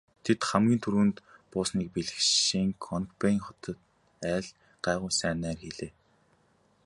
Тэд хамгийн түрүүнд буусныг бэлэгшээж Конекбайн хот айл гайгүй сайн найр хийлээ.